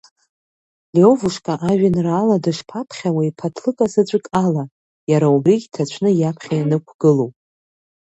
Лиовушка ажәеинраала дышԥаԥхьауеи ԥаҭлыка заҵәык ала, иара убригь ҭацәны иаԥхьа ианықәгылоу?!